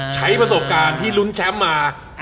ใช้ประสบการณ์ที่ลุ้นแชมป์มา